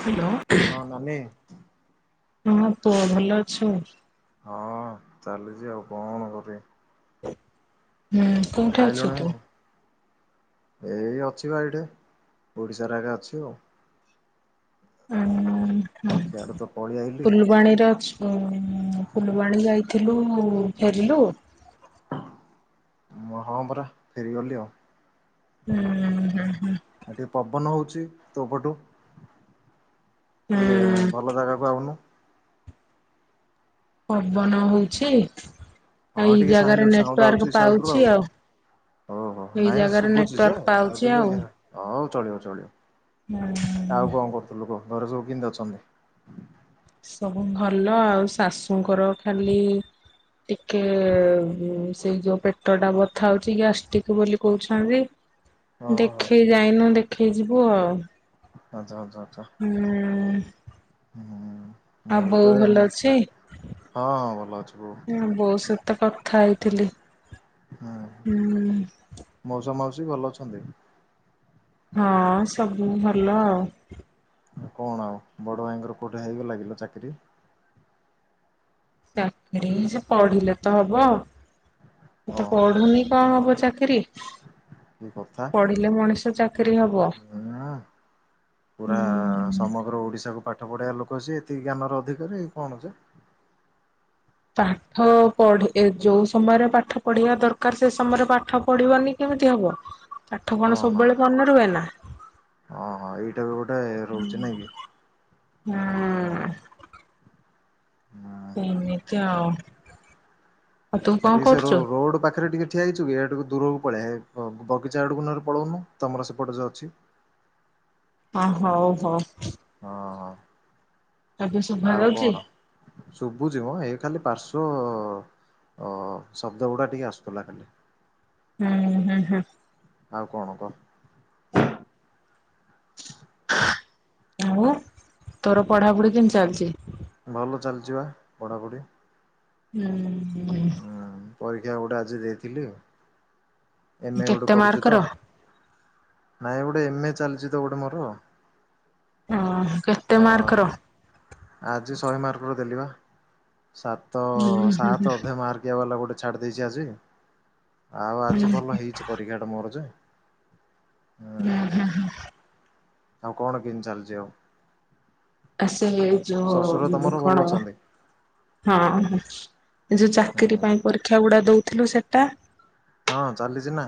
Hello ହଁ mummy ହଁ ପୁଅ ଭଲ ଅଛ? ହଁ ଚାଲିଚି ଆଉ, କଣ କରିବି? ହ ହୁଁ କୋଉଠି ଅଛୁ ଖାଇଲୁଣି? ତୁ? ଏଇ ଅଛି ବା ଏଇଠି ଓଡିଶାରେ ଏକା ଅଛି ଆଉ। ଅଁ, ହଁ ସିଆଡ଼େ ହଁ ତ ପଳେଇ ଆଇଲି ଫୁଲବାଣୀର ଅଛୁ। ଏ ହଁ ଫୁଲବାଣୀ ଯାଇଥିଲୁ ଫେରିଲୁ? ମୁଁ ହଁ ପରା ଫେରି ଗଲି ଆଉ। ଉଁ, ହୁଁ, ହୁଁ, ଚି ତ ପଟୁ। ଟିକେ ହୁଁ ଭଲ ଜାଗାକୁ ଆଉନୁ। ପବନ ହଉଛି। ହଁ ଏଇ ଟିକେ ଜାଗାରେ ସାଇଣ୍ଡୁ ସାଉଣ୍ଡ ନେଟୱାର୍କ ଆଉଚି ସାଉଟରୁ ପାଉଛି ଆଉ, ଓ ହୋ ଏଇ ନାଇଁ ଜାଗାରେ ଶୁଭୁଛି ଯେ ନେଟୱାର୍କ ଆଉ ପାଉଛି ଟିକେ ଏଅ ହଉ ଚଳିବ ଚଳିବ। ଆଉ ହୁଁ କଣ କରୁଥୁଲୁ କହ? ଘରେ ସବୁ କିମତି ଅଛନ୍ତି? ସବୁ ଭଲ ଆଉ ଶାଶୁଙ୍କର ଖାଲି ଟିକେ ଉଁ, ସେଇ ଯୋଉ ପେଟ ଟା ବଥା ହଉଛି, ଗ୍ୟାଷ୍ଟିକ ବୋଲି କହୁଛନ୍ତି। ଓହୋ ଦେଖେଇ ଯାଇନୁ ଦେ ଖେଇଯିବୁ ଆଉ। ଆଚ୍ଛା, ଆଚ୍ଛା। ହୁଁ। ହୁଁ ମୁଁ ଆଉ ବି ତ ବୋଉ ଏ ଭଲ ମୁଁ ଅଛି? ହଁ ହଁ ଭଲ ଅଛି ବୋଉ ଉଁ ବୋଉ ସହିତ କଥା ଖାଇଥିଲି। ହୁଁ ମୌସମସ ଭଲ ଅଛନ୍ତି। ହଁ ସବୁ ଭଲ ଆଉ କଣ ଆଉ ବଡ ଭାଇଙ୍କର କୋଉଠି ହେଇବ ଲାଗିଲ ଚାକିରି ଚାକିରି ସେ ପଢିଲେ ତ ହବ ଏ ତେ ଓହୋ ପଢୁନି କଣ ହବ? ସକର ପଢିଲେ ମଣିଷ ଚା ହଁ ହୁଁ ପୁରା ସମଗ୍ର ଓଡିଶାକୁ ପାଠ ପଢଆ ଲୋକ କଛି ଏତିକି ଜ୍ଞାନ ର ଅଧିକାର ଏଇ କଣ ଅଛ ପାଠ ପଢ ଯୋଉ ସମୟରେ ପାଠ ପଢିବା ଦରକାର ସେ ସମୟରେ ପାଠ ପଢିବନି କେମିତି ହବ। ପାଠ ହଁ କଣ ହଁ ସବୁବେଳେ ମନ ର ହୁଏ ନା ହଁ ହଁ ଏଇଟା ବି ଗୋଟେ ରହୁଛି ନାଇଁ କି ହଁ ହଁ। ହୁଁ ସେମିତି ଆ ଆ ଟିକେ ସେ ରୋଡ ପାଖରେ ଟିକେ ଠିଆ ହେଇଛୁ କି ଦୂରକୁ ପଳେଇ ବଗିଚା ଆଡକୁ ନରେ ପଳଉନୁ ତମର ସେପଟ ଯୋ ଅଛି। ହ ହୋଉ ହଉ ହଁ ହଁ। ଏବେ ଶୁଭ ଯାଉଛି। ଶୁଭୁଛି ମୁଁ ଏଇ ଖାଲି ପାର୍ଶ୍ଵ ଶବ୍ଦ ଗୁଡା ଟିକେ ଆସୁଥିଲା ଖାଲି ହୁଁ ହୁଁ ହୁଁ। ଆଉ କଣ କହ? ଆଉ ତୋର ପଢାପଢି କେମିତି ଚାଲିଛି? ଭଲ ଚାଲିଚିବା ପଢାପଢ଼ି। ହୁଁ ହୁଁ। ହୁଁ। ପରୀକ୍ଷା ଗୋଟେ ଆଜି ଦେଇଥିଲି ଆଉ। କେତ ମାର୍କ ର? ନାଇଁ ଗୋଟେ ଏମଏ ଚାଲିଛି ତ ଗୋଟେ ମୋର ଓ କେତେ ମାର୍କର? ଆଜି ଶହେ ମାର୍କ ର ଦେଲି ବା। ସାତ ହୁଁ ହୁଁ ସାତ ଅଧେ ମାର୍କିଆ ବାଲା ଗୋଟେ ଛାଡି ଦେଇଛି ଆଜି। ଆଉ ଆଜି ଭଲ ହେଇଛି ପରୀକ୍ଷାଟା ମୋର ଯେ ହୁଁ ହୁଁ ହଁ। ଆଉ କଣ କେମତି ଚାଲିଛି ଆଉ ଆ ସେ ଶ୍ୱଶୁର ଯଉ ତମର ଭଲ କଣ ଅଛନ୍ତି ହଁ। ଏ ଯଉ ହୁଁ ଚାକିରୀ ପାଇଁ ପରୀକ୍ଷା ଗୁଡା ଦଉ ଥିଲୁ ସେଟା ହଁ ଚାଲିଚି ନା।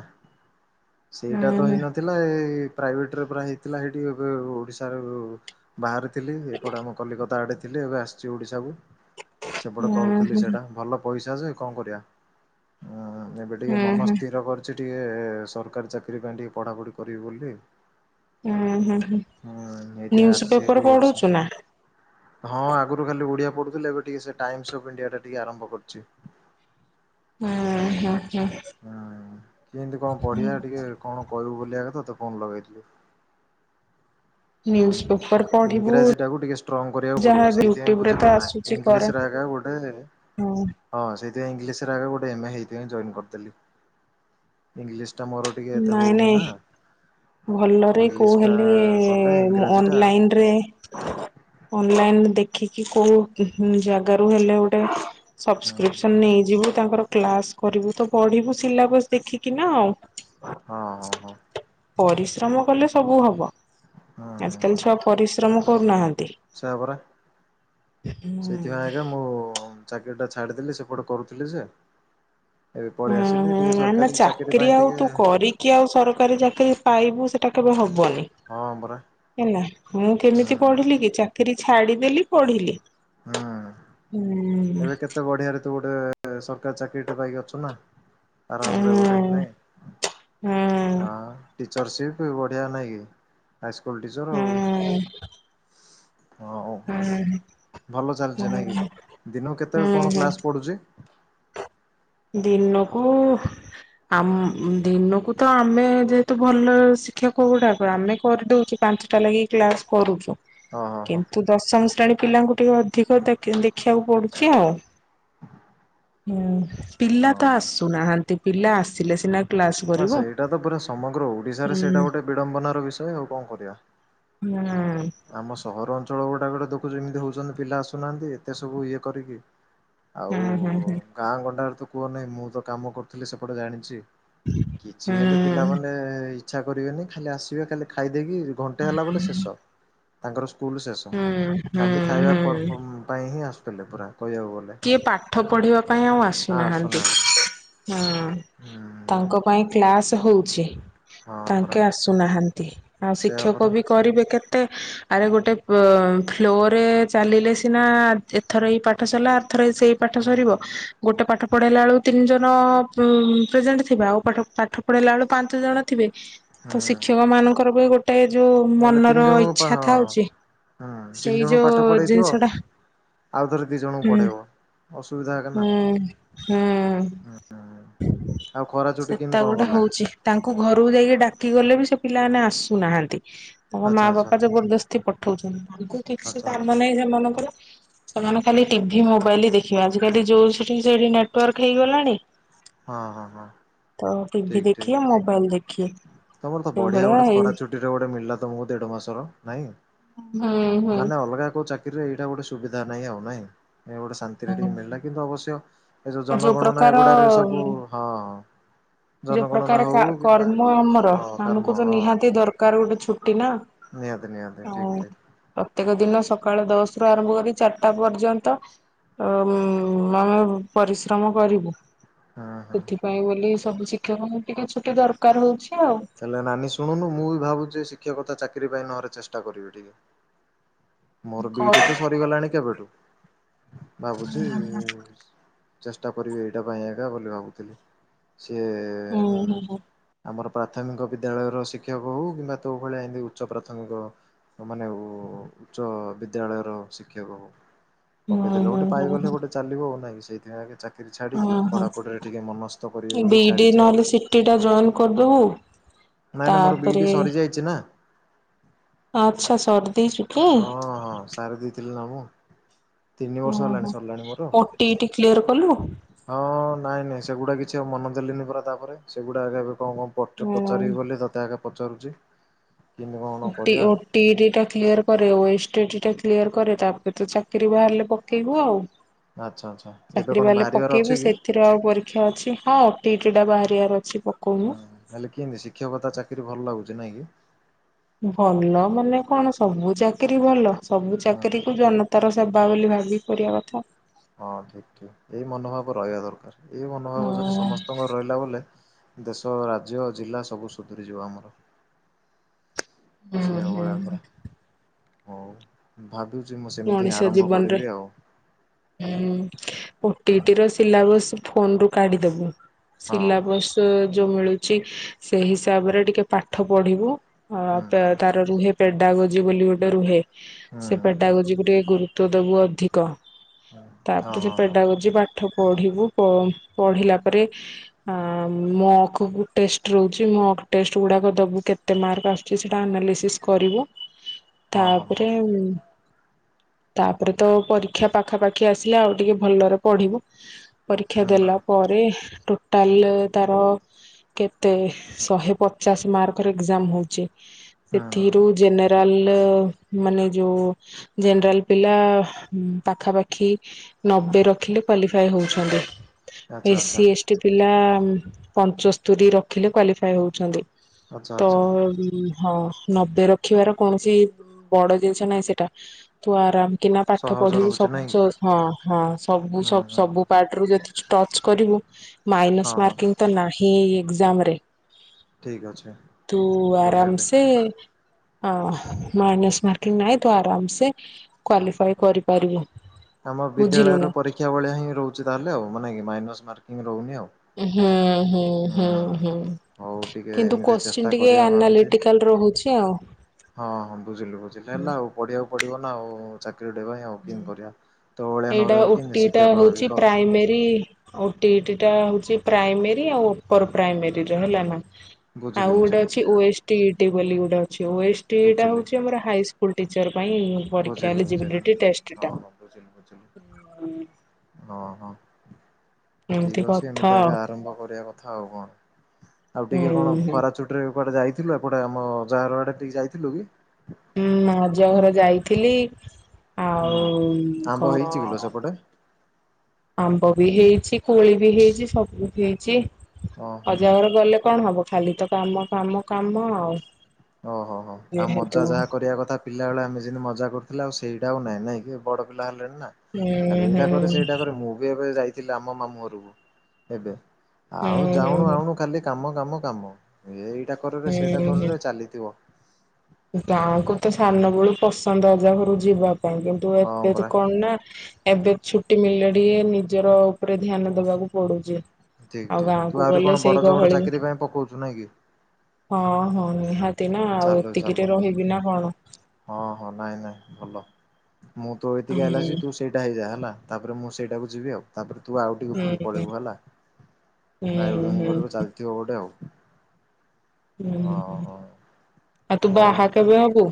ହୁଁ ସେଇଟା ତ ହେଇ ନଥିଲା ଏ ପ୍ରାଇଭେଟରେ ପୁରା ହେଇଥିଲା ସେଇଠି ଏ ଓଡ଼ିଶାରୁ ବାହାରେ ଥିଲି ସେପଟେ ଆମ କଲିକତା ଆଡେ ଥିଲେ ଏବେ ଆସିଚି ଓଡ଼ିଶାକୁ। ସେପଟେ ହୁଁ କରୁଥିଲି ହୁଁ ହୁଁ ସେଇଟା ଭଲ ପଇସା ସେ କଣ କରିବା? ଟିକେ ମନ ହୁଁ ହୁଁ ସ୍ଥିର କରିଚି। ଟିକେ ସରକାରୀ ଚାକିରୀ ପାଇଁ ଟିକେ ପଢାପଢି କରିବି ବୋଲି। ହଁ ହଁ ହୁଁ, ଏଇଥିପାଇଁ ନ୍ୟୁଜ ଆସିଛି ହେରି ପେପର ଓଡିଶା। ପଢୁଚୁ ନା? ହଁ ଆଗରୁ ଖାଲି ଓଡିଆ ପଢୁଥିଲେ, ଏବେ ଟିକେ ସେ ଟାଇମସ ଅଫ ଇଣ୍ଡିଆ ଟା ଟିକେ ଆରମ୍ଭ କରିଚି। ଉଁ ହୁଁ। ହୁଁ ହୁଁ, କିମତି କଣ ପଢିଆ ଟିକେ କଣ କରିବୁ ବୋଲ ଭ ଆତ ଫୋନ୍ ଲଗେଇଥିଲି। ନ୍ୟୁଜ ପେପର ଉଁ ପଢିବୁ ଇଂରାଜୀ ଟାକୁ ଟିକେ ଷ୍ଟ୍ରଙ୍ଗ କରିବାକୁ ଯାହା ପଡିବ। ସେଇଥିପାଇଁ ୟୁଟ୍ୟୁବରେ ତ ବୁଝିଲୁ ନା ଆସୁଛି କରେ ଇଂଲିଶ ଆା ଗୋଟେ ହଁ ସେ ଇଂଲିଶ ଆଗ ଗଟେ ଏଇଥ ଜଏନ୍ କରି ଥିଲି। ଇଂଲିଶ। ମୋର ଟିକେ ଏତେ ନାଇଁ ହଉନି ନାଇଁ ନା ଭଲରେ ଇଂଲିଶ କୋଉ ଟା ହେଲେ କଲେ ଅ ଇଂରାଜୀ ଟା ଅନଲାଇନରେ ଅନଲାଇନ ଦେ କି କି କରୁ ଜାଗାରୁ ହେଲେ ଗୋଟେ ହଁ ସବସ୍କ୍ରିପସନ ନେଇଯିବୁ। ତାଙ୍କର କ୍ଲାସ କରିବୁ ତ ପଢିବୁ ସିଲାବସ ଦେଖିକି ନା ଆଉ। ହଁ ହଁ ହଁ ପରିଶ୍ରମ କଲେ ସବୁ ହବ। ଆଜି କାଲି ଛୁଆ ପରି ଶ୍ରମ କରୁନାହାନ୍ତି। ସେୟାପରା। ସେଇଥିପାଇଁ ହୁଁ ଆଜ୍ଞା ମୁଁ ଟା ଛାଡିଦେଲି। ସେପଟେ କରୁଥିଲି ସେ ହୁଁ ହୁଁ। ନାଇମ ଚାକିରି ପାଇଁ ଆଉ ଟିକେ ତୁ କରିକି ଆଉ ସରକାରୀ ଚାକିରି ପାଇବୁ ସେ ଟା କେବେ ହବ? ବନି ହଁ ପରା ହେଲା। ମୁଁ ହଁ କେମିତି ପଢିଲି କି ଚାକି ରୀ ଛାଡିଦେଲି ପଢିଲି। ହୁଁ। ହୁଁ। ଏବେ କେତେ ବଢିଆରେ ତୁ ଗୋଟେ ସରକାରୀ ଚାକିରୀ ପାଇକି ଅଛ ନା। ଆରାମ ରେ ଗୋଟେ ହୁଁ ନାଇଁ ହୁଁ। ଟିଚର୍ସିପ ବଢିଆ ନାଇଁ କି ହାଇସ୍କୁଲ ଟିଚର ହୁଁ ଆଉ ହଁ ହ ହଉ ଭଲ ଚାଲିଛି ହୁଁ ନାଇଁ କି ଦିନ କେତେବେଳେ କଣ ହୁଁ କ୍ଲାସ ପଢୁଛି? ଦିନକୁ ଦିନକୁ ତ ଆମେ ଯେହେତୁ ଭଲ ଶିକ୍ଷା କଉଟାକ ଆମେ କରିଦଉଛୁ ପାଞ୍ଚଟା ଲାଗି କ୍ଲାସ କରୁଛୁ। ହଁ ହଁ ହଁ କିନ୍ତୁ ଦର୍ଶମ ପିଲାଙ୍କୁ ଟିକେ ଅଧିକ ଦେଖିବାକୁ ପଡୁଛି ଆଉ ହୁଁ ପିଲା ହଁ ତ ହଁ ଆସୁନାହାନ୍ତି ପିଲା ଆସିଲେ ସିନା କ୍ଲାସ ହଁ କରିବୁ ସେଇଟା ତ ପୁରା ସମଗ୍ର ଓଡିଶାରେ ହୁଁ ସେଇଟା ଗୋଟେ ବିଡମ୍ବନାର ବିଷୟ ଆଉ କଣ କରିବା। ହୁଁ ହୁଁ ଆମ ସହରାଞ୍ଚଳ ଗୋଟେ ଟଟ ଦେଖୁଛ ଯେମିତି ହଉଛନ୍ତି ପିଲା ଆସୁନାହାନ୍ତି ଏତେ ସବୁ ଇଏ କରିକି ଆଉ ହୁଁ ହୁଁ ଗାଁ ଗଣ୍ଡାର ତୁ କୁହ ନାହିଁ ମୁଁ ତ କାମ କରୁଥିଲି ସେପଟେ ଜାଣିଚି। ହୁଁ କିଛି ହେଲେ ପିଲାମାନେ ଇଚଛା କରିବେି ଖାଲି ଆସେ ଖା ଖାଇ ଦେଇ କିି ଘଣ୍ଟେ ହେଲା ବ ଶେଷ ତାଙ୍କର ସ୍କୁଲ ଶେଷ ହୁଁ ହୁଁ ଖାଲି ଖାଇବା ହୁଁ ପର୍ ପାଇଁ ହିଁ ଆସୁ ପିଲଲୁ କିଏ ପାଠ ପଢିବା ପାଇଁ ଆଉ ଆସୁନାହାନ୍ତି ହଁ। ହୁଁ ତାଙ୍କ ପାଇଁ କ୍ ତାସ ହେଉଛି। ହଁ ପରା ତାଙ୍କେ ଆସୁନାହାନ୍ତି ଆଉ ସେୟା ଶିକ୍ଷକ ପରା ବି କରିବେ କେତେ ମତେ ଆରେ ଗୋଟେ ଫ୍ଲୋରେ ଚାଲିଲେ ସିନା ଏଥର ଏଇ ପାଠ ସରିଲା ଥ ସେଇ ପାଠ ହୁଁ। ସରିବ ଗୋଟେ ପାଠ ପଢ଼ାଇଲା ବେଳୁ ତିନି ଜଣ ପ୍ରେଜେଣ୍ଟ ଥିବା ଆଉ ପାଠ ପାଠ ପଢ଼ାଇଲାା ବେଳକୁ ପାଞ୍ଚ ଜଣ ଥିବେ ହୁଁ ତ ଶିକ୍ଷକ ମାନଙ୍କର ବି ଗୋଟେ ଗୋଟେ ଯୋଉ ହେଲେ ତିନି ମନର ଜଣଙ୍କୁ ଇଚଛା ହଁ ଥାଉଛି ହୁଁ ତିନି ସେଇ ଜଣଙ୍କୁ ପାଠ ଯୋଉ ପଢେଇଥିବ ଜିନିଷ ଟା ଆଉ ଥରେ ଦି ଜଣଙ୍କୁ ହୁଁ ପଢେଇବ ଅସୁବିଧା ଏକା ନା। ହୁଁ ହୁଁ। ଆଉ ଖରା [inaudible] ଛୁଟି ସେ କେମିତି ତା କଣ ଗୋଟେ ଗଲା? ହଉଛି ତାଙ୍କୁ ଘରକୁ ଯାଇକି ଡାକି ଗଲେ ବି ସେ ପିଲାମାନେ ଆସୁନାହାନ୍ତି। ତାଙ୍କ ଆଚ୍ଛା ମା ଆଚ୍ଛା ବାପା ଜବରଦସ୍ତି ପଠଉଛନ୍ତି ତାଙ୍କୁ କିଛି ଆଚ୍ଛା କାମ ଆଚ୍ଛା ନାହିଁ ସେମାନଙ୍କର? ସେମାନେ ଖାଲି ଟିଭିି ମ ବାଇଲ ଦେଖିବା ଆଜିକାଲି ଯୋଉ ସେଠି ସେଠି ନେଟୱାର୍କ ହେଇଗଲାଣି ହଁ ହଁ ହଁ ତ ଟିଭି ଠିକ୍ ଠିକ୍। ଦେଖିଆ ମୋବାଇଲ ଦେଖି ତମର ତ ବଢିଆ ଗୋଟେ ଖରା ଛୁଟିରେ ଗୋଟେ ମିଳିଲା ତମକୁ ଦେଢ ମାସର ନାଇଁ ହୁଁ ହୁଁ। ମାନେ ଅଲଗା କୋଉ ଚାକିରିରେ ଏଇଟା ଗୋଟେ ସୁବିଧା ଜ ନାହିଁ ଆଉ ନାଇଁ ଏ ଗୋଟେ ଶାନ୍ତିରେ ଟିକେ ମିଳିଲା କିନ୍ତୁ ଅବଶ୍ୟ [inaudible] ଏ ଯୋଉ ଜନଗଣନା ଏଗୁଡାରେ ସବୁ ହଁ ଯୋଉ ଜନଗଣନା ପ୍ରକାର ହଉ କ୍ୱା କିମ୍ବା କର୍ମ ତମର ହଁ କର୍ମ ଆମକୁ ତ ହଁ ନିହାତି ଦରକାର ଗୋଟେ ଛୁ ଟି ନା ନିହାତି ନିହାତି ଠିକ୍ ଠିକ୍। ପ୍ରତ୍ୟକ ଦିନ ସକାଳ ଦଶ ରୁ ଆରମ୍ଭ କରି ଚାରିଟା ପର୍ଯ୍ୟନ୍ତ ଆମେ ପରିଶ୍ରମ କରିବୁ ହଁ ହଁ ସେଥିପାଇଁ ବୋଲି ଶିକ୍ଷକଙ୍କ ଟିକେ ଛୁଟି ଦରକାର ହଉଛି। ଆଉ ତାଲେ ନାନୀ ଶୁଣୁନୁ ମୁଁ ବି ଭାବୁଛି ଶିକ୍ଷକତା ଚାକିରି ପାଇଁ ନହେଲେ ଚେଷ୍ଟା କରିବି ଟିକେ ମୋର ବିଟି ହୁଁ ତ ସରିଗଲାଣି କେବେଠୁ ଭାବୁଛି ଚେଷ୍ଟା କରିବି ଏଇଟା ପାଇଁ ଏକା ବୋଲି ଭାବୁଥିଲି। ସେ ହୁଁ ଆମର ପ୍ରାଥମିକ ବିଦ୍ୟାଳୟର ଶିକ୍ଷକ ହେଉ କିମ୍ବା ତୋ ଭଳିଆ ଏମିତି ଉଚ୍ଚ ପ୍ରାଥମିକ ମାନେ ଉଚ୍ଚ ବିଦ୍ୟାଳୟର ଶିକ୍ଷକ ହୋଉ ହୁଁ ପକେଇଦେଲେ ହୁଁ ଗୋଟେ ପାଇଗଲେ ଗୋଟେ ଚାଲିବ ଆଉ ନାଇଁ ସେଇଥିପାଇ ବି ଚା ଓ ହଁ କରିବି ବୋଲି ବି-ଇ-ଡି ଛାଡିଛି ଆଉ ନହେଲେ ସି-ଟି ଟା ଜଏନ୍ କରିଦବୁ ନାଇଁ ନାଇ ମୋର ତାପରେ ବି-ଇ-ଡି ସରିଯାଇଛି ନା। ଆଚ୍ଛା ସର ହଁ ହଁ ସାରି ଦେଇଥିଲି ନା ମୁଁ। ତିନି ବର୍ଷ ହେଲାଣି ଓହୋ ସରିଲାଣି ମୋର ଓଟିଇଟି କ୍ଲିୟର କଲୁ ହଁ ନାଇଁ ନାଇଁ ସେଗୁଡା କିଛି ମନ ଦେଲିନି ପରା ତାପରେ ସେଗୁଡ଼ା ଏରା କଣ କଣ ପଚାରିବି ବୋଲି ତତେ ଆଗେ ପଚାରୁଛି। କେମିତି କଣ ଓଟି କରିବା ଓଟିଇଟି ଟା କ୍ଲିୟର କରେ ଆଉ ଓଏଷ୍ଟି ଟା କ୍ଲିୟର କରେ ତାପରେ ତ ଚାକିରି ବାହାରିଲେ ପକେଇବୁ ଆଉ। ଆଚ୍ଛା ଆଚ୍ଛା ଏବେ ଚାକିରୀ କଣ ବାହାରିଲେ ବାହାରିବାର ଅଛି ପକେଇବୁ କି? ସେଥିରେ ଆଉ ପରୀକ୍ଷା ଅଛି ହଁ ଓଟିଇଟି ଟା ବାହାରିବାର ଅଛି ପକଉନୁ। ହୁଁ ହେଲେ କେମିତି ଶିକ୍ଷକତା ଚାକିରି ଭଲ ଲାଗୁଛି ନାଇଁ କି ଭଲ ମାନେ କଣ ସବୁ ଚାକିରି ଭଲ। ସବୁ ହଁ ଚାକିରୀ ହଁ। କୁ ଜନତାର ବା ବୋଲି ଭାବି କରିଆ କଥା। ହଁ ଠିକ ଠିକ ଏଇ ମନୋଭାବ ରହିବା ଦରକାର। ଏଇ ହଁ ମନୋଭାବ ଯଦି ସମସ୍ତଙ୍କର ରହିଲା ବୋଲେ ଦେଶ ରାଜ୍ୟ ଜିଲ୍ଲା ସବୁ ସୁଧରିଯିବ ଆମର। ହୁଁ ହୁଁ। ଛେଅବେଳିଆ ପରା। ହଉ ଭ ମଣିଷ ଜୀବନରେ ହଁ ହଁ ଓଟିଇଟି ର ସିଲାବସ ଫୋନ ରୁ କାଢିଦବୁ। ହଁ ସିଲାବସ୍ ଯୋଉ ମିଳୁଛି ସେ ହିସାବରେ ଟିକେ ପାଠ ପଢିବୁ ହୁଁ। ଅ ତାର ନୁହେଁ। ପେଡ଼ା ଗଜି ବୋଲି ଗୋଟେ ରୁହେ ହୁଁ ରେ ଗୁରୁତ୍ୱ ଦେବୁ ଅଧିକ ହଁ ତାପରେ ତ ହଁ ପେଡା ଗଜି ବା ପାଠ ପଢିବୁ ପଢିଲା ପରେ ମୋ ଅକ ଟେଷ୍ଟ ରହୁଛି ମୋ ଟେଷ୍ଟ ଗୁଡାକ ଦେବୁ କେତେ ମାର୍କ ଆସୁଛି ସେଇଟା ଆନାଲିସିସ୍ କରିବୁ। ହଁ ହଁ ହଁ ହଁ ତାପରେ ଉଁ ତାପରେ ତ ପରୀକ୍ଷା ପାଖାପାଖି ଆସିଲେ ଆଉ ଟିକେ ଭଲରେ ପଢିବୁ। ପରୀକ୍ଷା ହୁଁ। ଦେଲା ପରେ ଟୋଟାଲ ତାର କେତେ ଶହେ ପଚାଶ ମାର୍କର ଏକ୍ଜାମ ହଉଛି। ହୁଁ ସେଥିରୁ ହୁଁ ଜେନେରାଲ, ମାନେ ଯୋଉ ଜେନେରାଲ ପିଲା ପାଖାପାଖି ନବେ ରଖିଲେ କ୍ଵାଲିଫାଏ ହଉଛନ୍ତି। ଆଚ୍ଛା ଏସ୍ ଆଚ୍ଛା ସି ଏସ୍ ଟି ପିଲା ପଞ୍ଚସ୍ତରୀ ରଖିଲେ କ୍ୱାଲିଫାଇ ହଉଛନ୍ତି। ଆଚ୍ଛା ତ ଆଚ୍ଛା ହଁ ନବେ ରଖିବାର କୌଣସି ଇ ବଡ ଜିନିଷ ନାହିଁ ସେଇଟା ତୁ ଆରାମ କିନା ପାଠ ସହଜ ପଢ଼ିବୁ ରହୁଛି ନାଇଁ ସବୁଜ କି? ହଁ ହଁ ସବୁୁ ହୁଁ ସ ହୁଁ ହୁଁ ସବୁ ପାର୍ଟରୁ ଯେ ଷ୍ଟଚ୍ କରିବୁ ମାଇନସ ହଁ ହଁ ମାର୍କିଂ ତ ନାହି ଏ ଏଗଜାମରେ ଠିକ୍ ଅଛି ତୁ ଆରାମ ବୁଝିଲି। ସେ ହଁ ମାଇନସ୍ ମାର୍କିଂ ନାଇ ତୁ ଆରାମ ସେ କ୍ଵାଲିଫାଏ କରିପାରିବୁ ଆମ ବୁଝିଲୁ ବିଦ୍ୟାଳୟରେ ନା ପରୀକ୍ଷା ଭଳିଆ ହିଁ ରହୁଛି ତାହେଲେ ଆଉ ମାନେ କି ମାଇନସ ମାର୍କିଂ ରହୁନି ଆଉ ହୁଁ ହୁଁ ହୁଁ ହଉ ହୁଁ ଟିକେ କିନ୍ତୁ ଏମିତି କୋଶ୍ଚିନ୍ ଚେଷ୍ଟା ଟିକେ କରିବା ଭାବିଛି। ଆନାଲିଟିକାଲ ରହୁଛି ଆଉ। ହଁ ହଁ ବୁଝିଲୁ ବୁଝିଲୁ ହେଲା ଆଉ ପଢ଼ିବାକୁ ପଡ଼ିବ ନା ଆଉ [unintelligible] କରିବା। ତୋ ଭଳିଆ ଏଇଟା ନହେଲେ ଆଉ ଓ କେମିତି ଟି ଟା ଶିକ୍ଷକ ହେବି ହଉଛି କହ ପ୍ରାଇମେରୀ ଓ ଟି ଟି ଏଇଟା ହଉଛି ପ୍ରାଇମେରୀ ଆଉ ଉପର ପ୍ରାଇମେରୀର ହେଲା ନା। ଆଉ ବୁଝିଲି ଗୋଟେ ବୁଝିଲି ଅଛି ଓ ଏସ୍ ଇ ଟି ବୋଲି ଓ-ଏସ-ଇ-ଟି ଟା ବୁଝିଲି। ହଉଛି ଆମର ହାଇ ସ୍କୁଲ ଟି ବୁଝିଲି ବୁଝିଲି ହଁ ହ ବୁଝିଲି ବୁଝିଲି। ହଁ ହ ହଁ। ଠିକ ଅଛି ଏମିତି ଆକା ଆଉ। ଆରମ୍ଭ କରିବା କଥା ଆଉ କଣ। ଆଉ ହୁଁ ଟିକେ କଣ ହୁଁ ଖରା ଛୁଟିରେ କୁଆଡେ ଯାଇ ଥିଲା କଉଟା ଆମ ଜାହାର ଆଡେ ଟିକେ ଯାଇଥିଲୁ କି? ହୁଁ ଅଜା ଘର ଯାଇଥିଲି ହୁଁ ଆଉ ଆମ୍ବ କଣ ହେଇଛି କିଲୋ ସେପଟେ? ଆମ୍ବ ବି ହେଇଛି, କୋଳି ବି ହେଇଛି, ସବୁ ହେଇଛି। ଓହୋ। ଅଜା ଘରେ ଗଲେ କଣ ହବ ଖାଲି ତ କାମ କାମ କାମ ଆଉ ଓହୋ ହୋ ଆଉ ଯେହେତୁ ମଜା ଯାହା କରିବା କଥା ପିଲାବେଳେ ଆମେ ଯେମିତି ମଜା କରୁଥିଲେ ଆଉ ସେଇ ସେ ଆଉ ନାଇ ନାଇଁ କି ବଡ଼ ପିଲା ହେ ଲେ ନା ଖାଲି ହୁଁ ଏଇଟା କରେ ହୁଁ। ସେଇଟା କରେ ମୁଁ ବି ଏବେ ଯାଇ ଥିଲେ ଆମ ମାମୁଁ ଘରକୁ ଏବେ ହୁଁ ଆଉ ହୁଁ ହୁଁ ଜାଉଣୁ ଆଣୁ ଖାଲି କାମ। କାମ କାମ ଏଇଇ [inaudible] ଏଖଟୁରେ ସେଇଟା ହୁଁ ହୁଁ କରରେ ଚାଲି ହ ଗାଁକୁ ତ ସାନ ବଳୁ ପସନ୍ଦ ଅଜା ଘରୁ ଯିବା କାଇଁ କିନ୍ତୁ ହଁ ଏବେ ତ ପରା। କଣ ନା ଏବେ ଛୁଟି ମିଳିଲେଣି। ଇଏ ନିଜର ଉପରେ ଧ୍ୟାନ ଦବାକୁ ପଡୁଛି। ଠିକ ଆଉ ଠିକ ତୁ ଗାଁକୁ ଆହୁରି ଗଲେ କଣ ସେଇ ବଡଚ ବଡ ଗହଳି ଚାକିରୀ ପାଇଁ ପକଉଛୁ ନାଇଁ କି? ହ ନା ଆଉ ଚାଲୁ ଏତିକିରେ ରହିବି ନା କଣ ହଁ ହଁ ନାଇଁ ନାଇଁ ଭଲ, ମୁଁ ତୁ ଏତିକି ହୁଁ ହେଲାସ ତୁ ସେଇଟା ହେଇଯା ହେଲା ତାପରେ ମୁଁ ସେଇଟାକୁ ଯିବି ଆଉ ତାପରେ ତୁ ଆଉ ଟିକେ ହୁଁ ଉପରକୁ ହୁଁ ପଳେଇବୁ ହେଲା ହୁଁ ଭାଇ ଭଉଣୀଙ୍କ ହୁଁ ଘରକୁ ଚାଲିଥିବ ଗୋଟେ ଆଉ ହୁଁ ଅ ହ ହ ଆଉ ତୁ ହଉ ବାହା କେବେ ହବୁ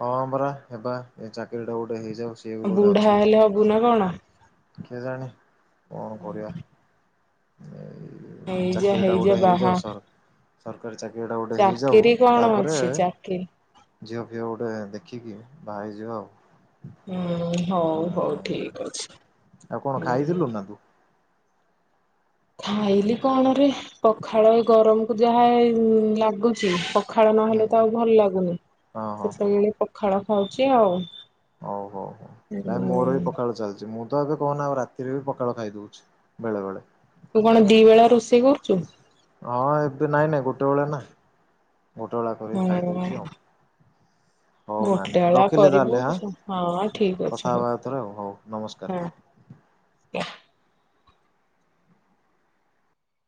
ହଁ ପରା ହେବା ଏ ଚାକିରିଟା ଗୋଟେ ହେଇଛି। ଆଉ ବୁଢା ହେଲେ ହବୁ ନା କଣ? କେଏ ଜାଣି କଣ କରିବାଆ ହେଇଯା ହେଇଯା ହେଇଯାଉ ବାହା ସର ସରକାରୀ ଚା ଟା ଗୋଟେ ହେଇଯାଉ ଚାକିରି କଣ ତାପରେ ଅଛି ଚାକିରି ଝିଅ ଫିଅ ଗୋଟେ ଦେଖିକି ବାହା ହେଇଜିବା ଆଉ। ହୁଁ ହୁଁ ହଉ ହଉ ହୁଁ ଠିକ ଅଛି ଆଉ କଣ ହୁଁ, ଖାଇଥିଲୁ ନା ତୁ? ଖାଇଲି କଣରେ ପଖାଳ ଗରମ କୁ ଯାହା ଲାଗୁଛି ପ ପଖାଳ ହୁଁ ନହେଲେ ତ ଆଉ ଭଲ ଲାଗୁନି ହଁ ହଁ। ସେଥିପାଇଁ ମୁଁ ପଖାଳ ଖାଉଛି ହଉ ହଉ ହଉ ଆଉ। ନାଇଁ ମୋର ବି ପଖାଳ ଚାଲିଛି ମୁଁ ତ ଏବେ କହନା ଆଉ ରାତିରେ ବି ପଖାଳ ଖାଇ ଦଉଛି ବେଳେ ବେଳେ ତୁ କଣ ଦି ବେଳା ରୋଷେଇ କରୁଛୁ? ହଁ ଏବେ ନାଇଁ ନାଇଁ ଗୋଟେ ବେଳେ ନା ଗୋଟେବେଳା କରିକି ହଁ ଖାଇଦଉଛି ଆଉ ହଉ ଗୋଟେ ନାନି ବେଳା ରଖିଲି କରିବୁ ତାହେଲେ ହଁ ଆଁ ଠିକ ଅଛି ହଉ କଥାହବା ଆଉଥରେ ହଉ ନମସ୍କାର। [inaudible]